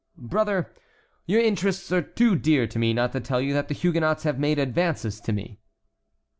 "Brother, your interests are too dear to me not to tell you that the Huguenots have made advances to me."